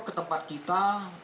ke tempat kita